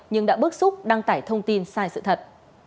nhưng đã bức xúc đăng tải thông tin sai sự thật